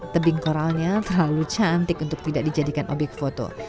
tebing koralnya terlalu cantik untuk tidak dijadikan obyek foto